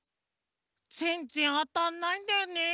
ぜんぜんあたんないんだよね。